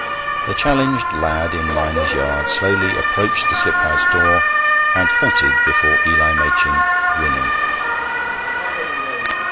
The challenged lad in Mynors' yard slowly approached the slip house door, and halted before Eli Machin, grinning.